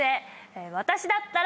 私だったら。